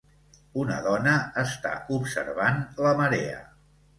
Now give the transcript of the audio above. Una dona està observant la marea